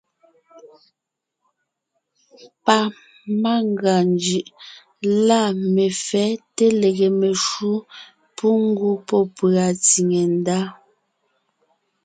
Pamangʉa njʉʼ lâ mefɛ́ té lege meshǔ pú ngwɔ́ pɔ́ pʉ̀a tsìŋe ndá.